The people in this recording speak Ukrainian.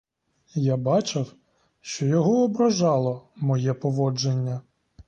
Я бачив, що його ображало моє поводження.